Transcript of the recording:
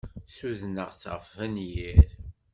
Ssudneɣ-tt ɣef wenyir.